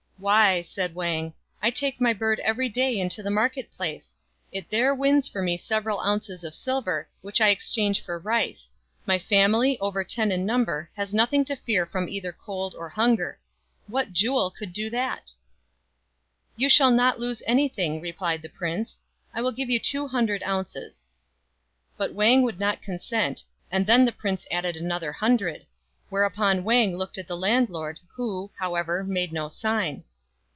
" Why," said Wang, " I take my bird every day into the market place. It there wins for me several ounces of silver, which I exchange for rice ; and my family, over ten in number, has nothing to fear from either cold or hunger. What jewel could do that ?"" You shall not lose anything," replied the prince; "I will give you two hundred ounces." But Wang would not consent, and then the prince added another hundred ; whereupon Wang looked at the landlord, who, however, made no sign.